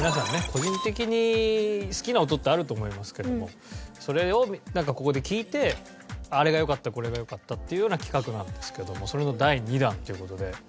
個人的に好きな音ってあると思いますけどもそれをここで聴いてあれがよかったこれがよかったっていうような企画なんですけどもそれの第２弾という事で。